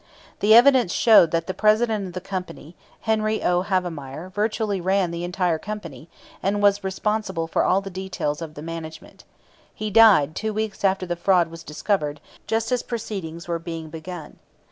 The evidence showed that the president of the company, Henry O. Havemeyer, virtually ran the entire company, and was responsible for all the details of the management. He died two weeks after the fraud was discovered, just as proceedings were being begun.